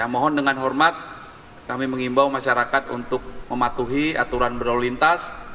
mohon dengan hormat kami mengimbau masyarakat untuk mematuhi aturan berlalu lintas